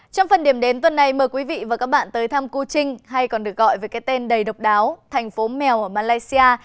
trong phần điểm đến tuần này mời quý vị và các bạn tới thăm cô trinh hay còn được gọi về cái tên đầy độc đáo thành phố mèo ở malaysia